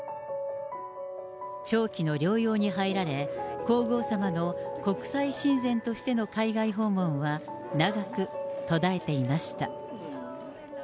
長期の療養に入られ、皇后さまの国際親善としての海外訪問は、長く途絶えていました。